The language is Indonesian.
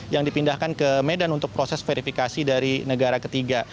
yang dipindahkan ke medan untuk proses verifikasi dari negara ketiga